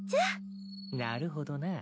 なるほどな。